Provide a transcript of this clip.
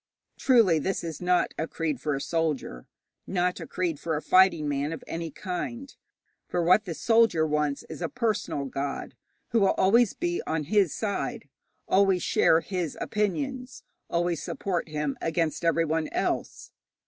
Truly this is not a creed for a soldier, not a creed for a fighting man of any kind, for what the soldier wants is a personal god who will always be on his side, always share his opinions, always support him against everyone else.